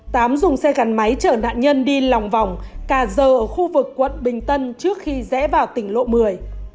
tám dùng xe gắn máy chở nạn nhân đi lòng vòng cà giờ ở khu vực quận bình tân trước khi rẽ vào tỉnh lộ một mươi